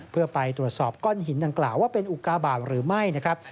เพื่อไปตรวจสอบก้อนหินดังกล่าวว่าเป็นอุกาบาทหรือไม่นะครับ